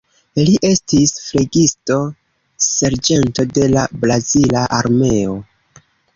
Li estis flegisto-serĝento de la brazila armeo.